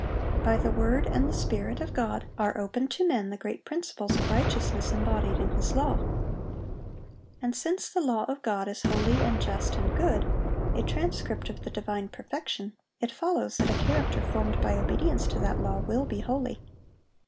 By the word and the Spirit of God are opened to men the great principles of righteousness embodied in His law. And since the law of God is "holy, and just, and good," a transcript of the divine perfection, it follows that a character formed by obedience to that law will be holy.